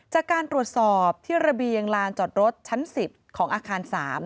จากการตรวจสอบที่ระเบียงลานจอดรถชั้น๑๐ของอาคาร๓